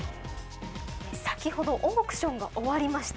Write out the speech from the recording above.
先ほどオークションが終わりました。